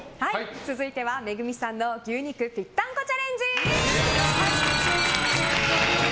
続いてはＭＥＧＵＭＩさんの牛肉ぴったんこチャレンジ！